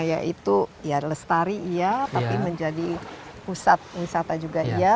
yaitu ya lestari iya tapi menjadi pusat wisata juga iya